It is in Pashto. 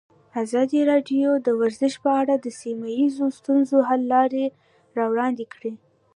ازادي راډیو د ورزش په اړه د سیمه ییزو ستونزو حل لارې راوړاندې کړې.